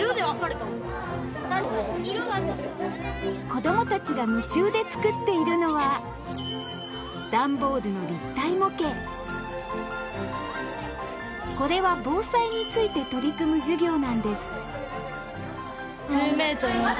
子供たちが夢中で作っているのはこれは防災について取り組む授業なんです